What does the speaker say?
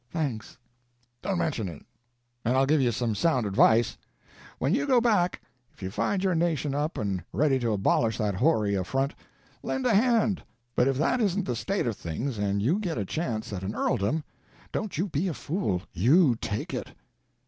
"Thanks." "Don't mention it. And I'll give you some sound advice: when you go back; if you find your nation up and ready to abolish that hoary affront, lend a hand; but if that isn't the state of things and you get a chance at an earldom, don't you be a fool—you take it."